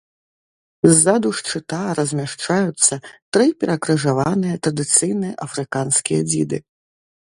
Ззаду шчыта размяшчаюцца тры перакрыжаваныя традыцыйныя афрыканскія дзіды.